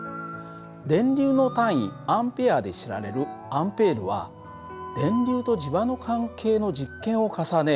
電流の単位Ａで知られるアンペールは電流と磁場の関係の実験を重ね